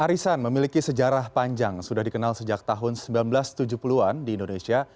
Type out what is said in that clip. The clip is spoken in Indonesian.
arisan memiliki sejarah panjang sudah dikenal sejak tahun seribu sembilan ratus tujuh puluh an di indonesia